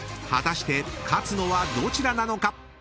［果たして勝つのはどちらなのか？］